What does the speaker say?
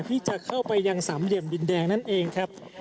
ที่จะเข้าไปยังสามเหลี่ยมดินแดงนั่นเองครับ